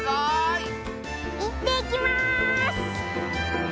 いってきます！